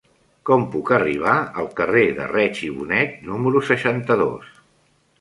Com puc arribar al carrer de Reig i Bonet número seixanta-dos?